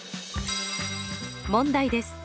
問題です。